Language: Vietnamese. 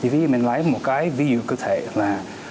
ví dụ mình lấy một cái ví dụ cơ thể là